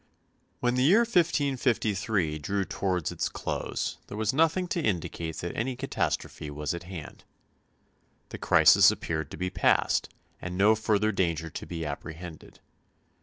When the year 1553 drew towards its close there was nothing to indicate that any catastrophe was at hand. The crisis appeared to be past and no further danger to be apprehended.